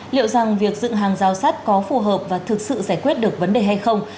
liệu rằng việc dựng hàng giao sát có phù hợp và thực sự giải quyết được vấn đề hay không